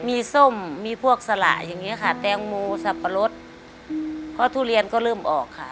มีส้มมีพวกสละอย่างเงี้ค่ะแตงโมสับปะรดเพราะทุเรียนก็เริ่มออกค่ะ